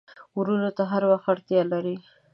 ورور ته هر وخت اړتیا لرې.